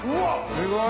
すごい。